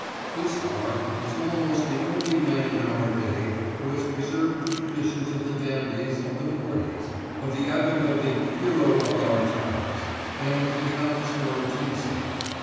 This R. R. is almost the only man in our day who has preserved the traditions of the dandies of the forties, of the epoch of the 'Hero of our Times,' and the Countess Vorotinsky.